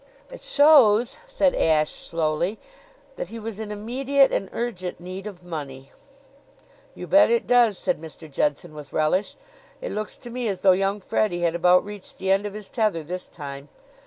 "It shows," said Ashe slowly, "that he was in immediate and urgent need of money." "You bet it does," said Mr. Judson with relish. "It looks to me as though young Freddie had about reached the end of his tether this time.